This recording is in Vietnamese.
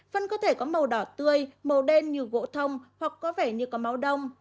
phân có thể có màu đỏ tươi màu đen như gỗ thông hoặc có vẻ như có máu đông